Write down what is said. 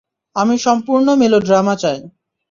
আমি সম্পূর্ণ মেলোড্রামা চাই।